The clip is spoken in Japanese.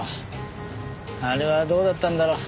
あれはどうだったんだろう。